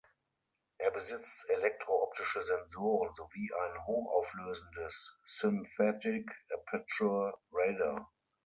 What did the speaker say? Er besitzt elektrooptische Sensoren sowie ein hochauflösendes Synthetic Aperture Radar.